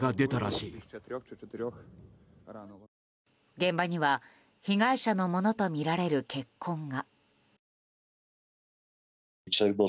現場には被害者のものとみられる血痕が。